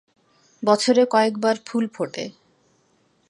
বছরে কয়েকবার ফুল ফোটে।